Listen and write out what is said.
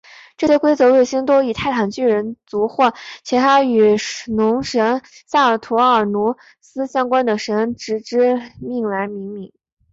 这些规则卫星都以泰坦巨人族或其他与农神萨图尔努斯相关的神只之名来命名。